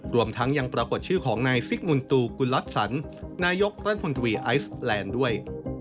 รวมทั้งยังปรากฏชื่อของนายซิกมุนตูกุลักษันนายกรัฐมนตรีไอซแลนด์ด้วย